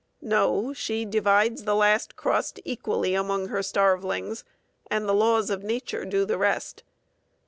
No; she divides the last crust equally among her starvelings, and the laws of nature do the rest.